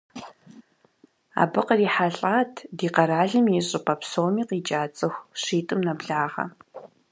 Абы кърихьэлӏат ди къэралым и щӏыпӏэ псоми къикӏа цӏыху щитӏым нэблагъэ.